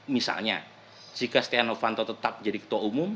misalnya jika stianovanto tetap jadi ketua umum